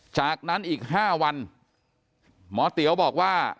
จากนั้นอีก๕วันหมอเตี๋ยวบอกว่า